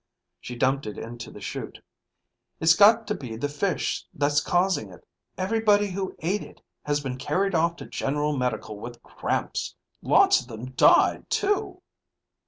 She dumped it into the chute. "It's got to be the fish that's causing it. Everybody who ate it has been carried off to General Medical with cramps. Lots of them died, too.